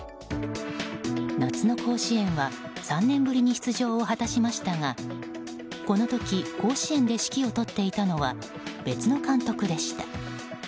夏の甲子園は３年ぶりに出場を果たしましたがこの時、甲子園で指揮を執っていたのは別の監督でした。